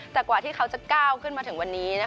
แต่กว่าที่เขาจะก้าวขึ้นมาถึงวันนี้